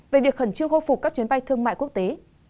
về việc khẩn trương khôi phục các chuyến bay thương mại quốc tế